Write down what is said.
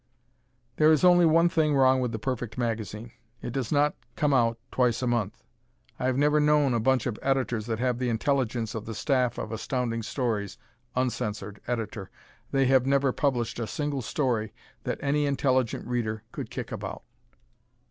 There is only one thing wrong with the perfect magazine: it does not come out twice a month. I have never known a bunch of Editors that have the intelligence of the Staff of Astounding Stories [uncensored Ed.]. They have never published a single story that any intelligent Reader could kick about.